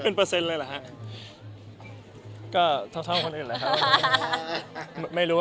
เหนือเหมือนเนื้อเดิม